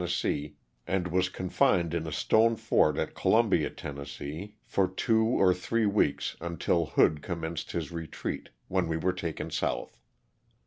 and was confined in a stone fort at Columbia, Tenn., 374 LOSS OF THE SULTANA. for two or three weeks until Hood commenced his retreat, when we were taken south.